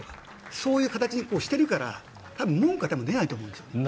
そういう形にしているから多分文句は出ないと思うんですよ。